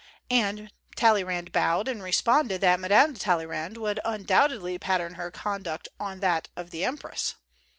And Talleyrand bowed, and responded that Mme. de Talleyrand would undoubtedly pat tern her conduct on that of the empress.